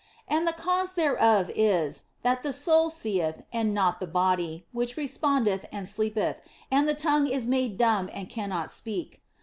And the cause thereof is, that the soul seeth, and not the body, which reposeth and sleepeth, and the tongue is made dumb and cannot speak.